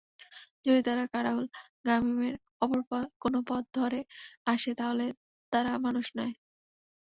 যদি তারা কারাউল গামীমের অপর কোন পথ ধরে আসে তাহলে তারা মানুষ নয়।